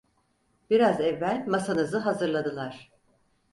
Biraz evvel masanızı hazırladılar.